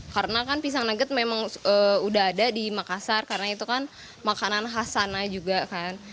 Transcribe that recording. karena kan pisang nugget memang sudah ada di makassar karena itu kan makanan khas sana juga kan